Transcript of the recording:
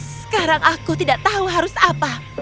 sekarang aku tidak tahu harus apa